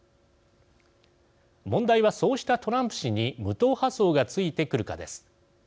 問題はそうしたトランプ氏に無党派層がついてくるかです。